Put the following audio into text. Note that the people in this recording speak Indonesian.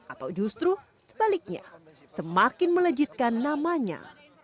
atau justru sebaliknya semakin melejitkan namanya